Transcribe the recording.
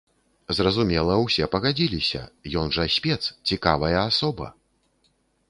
Зразумела, усе пагадзіліся, ён жа спец, цікавая асоба!